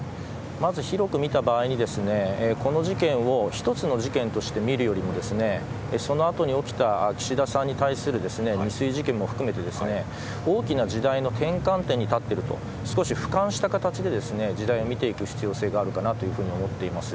まず広く見た場合にこの事件を一つの事件として見るよりもその後に起きた岸田さんに対する未遂事件も含めて大きな時代の転換点に立っていると少し俯瞰した形で時代を見ていく必要があるのかなと思っています。